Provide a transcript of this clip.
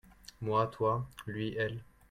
Moi/Toi. Lui/Elle.